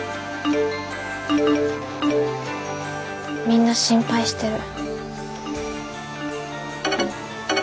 みんな心配してる。